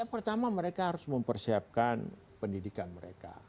pertama mereka harus mempersiapkan pendidikan mereka